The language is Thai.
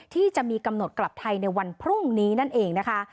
ที่จะมีกำหนดกลับไทยในวันพรุ่งนี้นั่นเองนะคะ